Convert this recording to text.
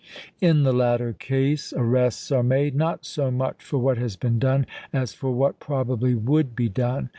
In the latter case arrests are made, not so much for what has been done as for what probably would be done.